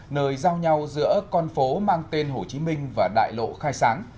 nơi giao nhau giữa con phố mang tên hồ chí minh và đại lộ khai sáng